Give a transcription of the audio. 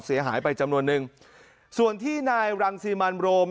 เสียหายไปจำนวนนึงส่วนที่นายรังสิมันโรม